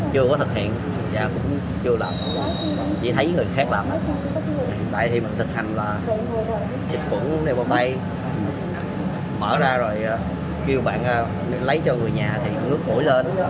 chỉ thấy người khác làm tại thì mình thực hành là xịt quẩn đeo vào tay mở ra rồi kêu bạn lấy cho người nhà thì nước mũi lên